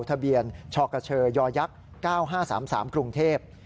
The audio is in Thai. ทะเบียนชกเชย๙๕๓๓กรุงเทพฯ